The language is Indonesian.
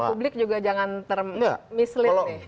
biar publik juga jangan termislit